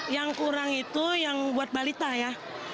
yang kurang itu yang buat balita ya